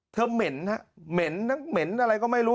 เธอเหม็นฮะเหม็นอะไรก็ไม่รู้